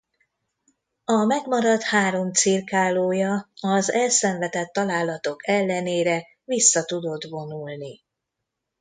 A megmaradt három cirkálója az elszenvedett találatok ellenére vissza tudott vonulni.